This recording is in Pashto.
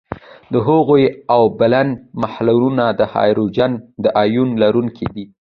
د هغوي اوبلن محلولونه د هایدروجن د آیون لرونکي دي.